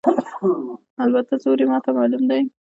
البته زور یې ماته معلوم دی.